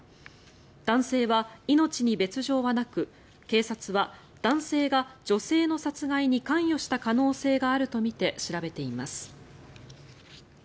男性は命に別条はなく警察は男性が女性の殺害に関与した可能性があるとみて調べています。